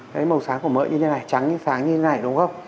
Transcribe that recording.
cái màu sáng của mỡ như thế này trắng sáng như thế này đúng không